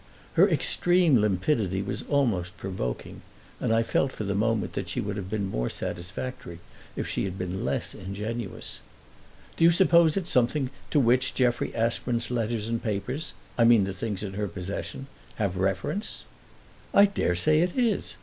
Her extreme limpidity was almost provoking, and I felt for the moment that she would have been more satisfactory if she had been less ingenuous. "Do you suppose it's something to which Jeffrey Aspern's letters and papers I mean the things in her possession have reference?" "I daresay it is!"